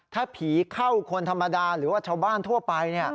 ถ้าผีเข้าคนธรรมดาหรือว่าชาวบ้านทั่วไป